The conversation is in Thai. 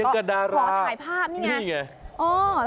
แล้วก็ถ่ายภาพนี่ไงนี่ไง